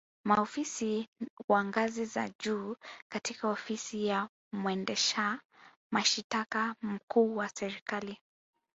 Maofisa wa ngazi za juu katika Ofisi ya mwendesha mashitaka mkuu wa Serikali